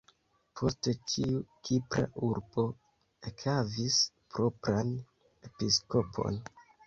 Poste ĉiu kipra urbo ekhavis propran episkopon.